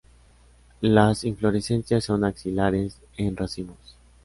Las inflorescencias son axilares en racimos.